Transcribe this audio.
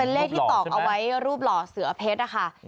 เป็นเลขที่ตอกเอาไว้รูปหล่อเสือเพชร